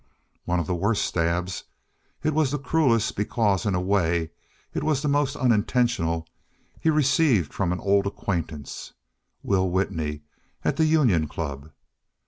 One of the worst stabs—it was the cruelest because, in a way, it was the most unintentional—he received from an old acquaintance, Will Whitney, at the Union Club.